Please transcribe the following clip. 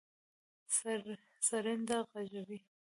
سرېنده غږوي.